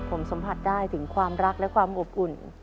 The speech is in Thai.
ผมสัมผัสได้ถึงความรักและความอบอุ่น